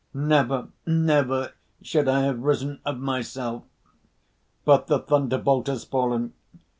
Never, never should I have risen of myself! But the thunderbolt has fallen.